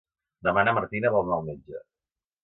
Demà na Martina vol anar al metge.